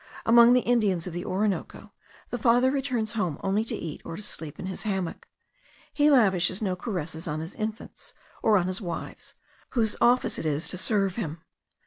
Among the Indians of the Orinoco, the father returns home only to eat, or to sleep in his hammock; he lavishes no caresses on his infants, or on his wives, whose office it is to serve him.